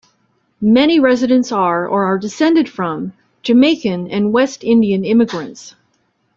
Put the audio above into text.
Many residents are or are descended from Jamaican and West Indian immigrants.